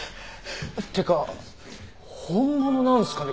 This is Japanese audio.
ってか本物なんすかね？